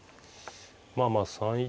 まあまあ３一